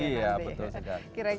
iya betul betul